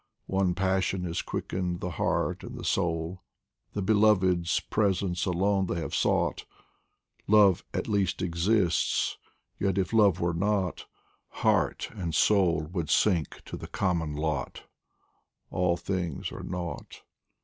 One passion has quickened the heart and the soul, The Beloved's presence alone they have sought Love at least exists ; yet if Love were not, Heart and soul would sink to the common lot All things are nought